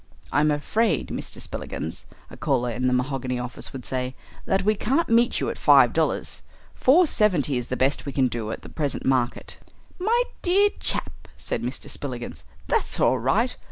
"I'm afraid, Mr. Spillikins," a caller in the mahogany office would say, "that we can't meet you at five dollars. Four seventy is the best we can do on the present market." "My dear chap," said Mr. Spillikins, "that's all right.